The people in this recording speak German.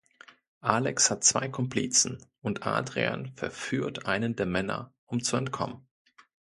Alex hat zwei Komplizen und Adrian verführt einen der Männer, um zu entkommen.